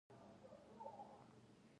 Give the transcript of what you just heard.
د اسهال لپاره د انارو کومه برخه وکاروم؟